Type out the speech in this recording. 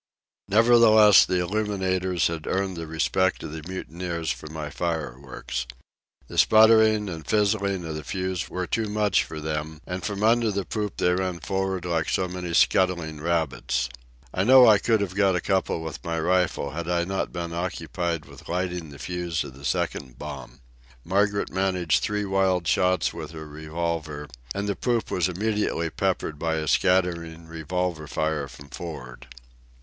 Nevertheless, the illuminators had earned the respect of the mutineers for my fireworks. The sputtering and fizzling of the fuse were too much for them, and from under the poop they ran for'ard like so many scuttling rabbits. I know I could have got a couple with my rifle had I not been occupied with lighting the fuse of a second bomb. Margaret managed three wild shots with her revolver, and the poop was immediately peppered by a scattering revolver fire from for'ard.